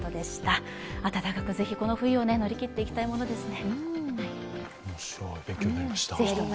ぜひ暖かく、この冬を乗り切っていきたいものですね。